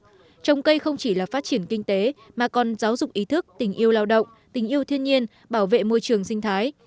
tết trồng cây không chỉ là phát triển kinh tế mà còn giáo dục ý thức tình yêu lao động tình yêu thiên nhiên bảo vệ môi trường sinh thái